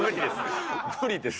無理です。